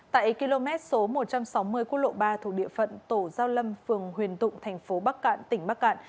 tại km số một trăm sáu mươi quốc lộ ba thuộc địa phận tổ giao lâm phường huyền tụng thành phố bắc cạn tỉnh bắc cạn